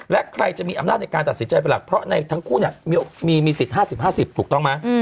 และใครจะมีอำนาจในการตัดสินใจเป็นหลักเพราะในทั้งคู่เนี่ยมีสิทธิ์๕๐๕๐ถูกต้องไหม